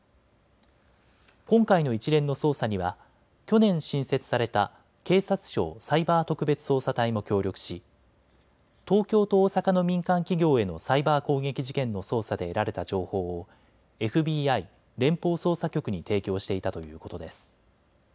今回の一連の捜査には去年、新設された警察庁サイバー特別捜査隊も協力し、東京と大阪の民間企業へのサイバー攻撃事件の捜査で得られた情報をＦＢＩ・連邦捜査局に提供していたということです。